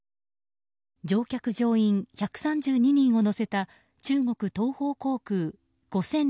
乗客・乗員１３２人を乗せた中国東方航空５７３５